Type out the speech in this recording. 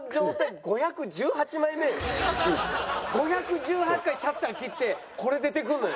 ５１８回シャッター切ってこれ出てくるのよ。